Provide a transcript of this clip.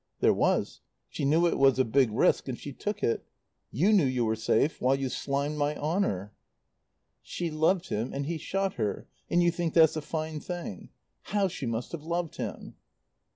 "There was. She knew it was a big risk and she took it. You knew you were safe while you slimed my honour." "She loved him, and he shot her, and you think that's a fine thing. How she must have loved him!"